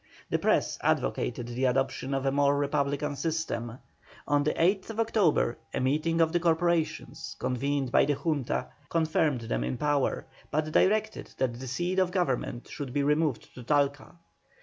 The Press advocated the adoption of a more Republican system. On the 8th October a meeting of the corporations, convened by the Junta, confirmed them in power, but directed that the seat of Government should be removed to Talca.